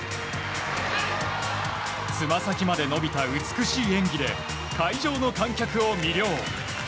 つま先まで伸びた美しい演技で会場の観客を魅了。